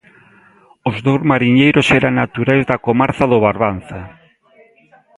Os dous mariñeiros eran naturais da comarca do Barbanza.